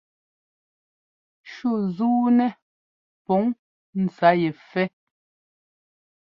Shú zúunɛ́ pǔn ntsá yɛ fɛ́.